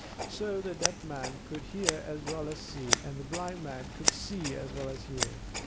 So the Deaf Man could hear as well as see, and the Blind Man could see as well as hear!